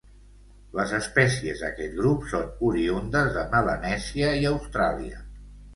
Les espècies d'aquest grup són oriündes de Melanèsia i Austràlia.